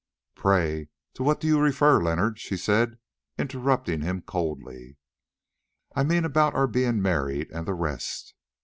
"Pray, to what do you refer, Leonard?" she said, interrupting him coldly. "I mean about our being married and the rest."